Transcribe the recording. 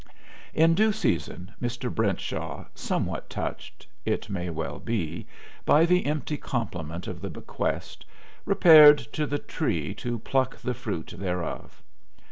In due season Mr. Brentshaw, somewhat touched, it may well be, by the empty compliment of the bequest, repaired to The Tree to pluck the fruit thereof.